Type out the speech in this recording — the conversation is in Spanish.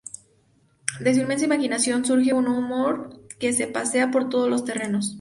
De su inmensa imaginación surge un humor que se pasea por todos los terrenos.